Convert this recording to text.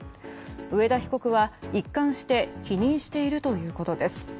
上田被告は一貫して否認しているということです。